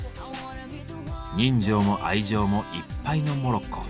人情も愛情もいっぱいのモロッコ。